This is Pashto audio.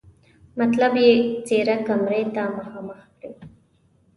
مطلب یې څېره کمرې ته مخامخ کړي.